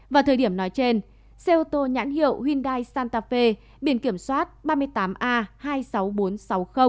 vào thời điểm nói trên xe ô tô nhãn hiệu hyundai santape biển kiểm soát ba mươi tám a hai mươi sáu nghìn bốn trăm sáu mươi